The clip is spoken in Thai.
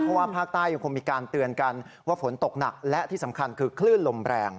เพราะว่าภาคใต้ยังคงมีการเตือนกันว่าฝนตกหนักและที่สำคัญคือคลื่นลมแรง